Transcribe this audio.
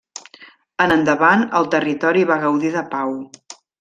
En endavant el territori va gaudir de pau.